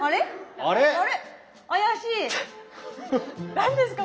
何ですか？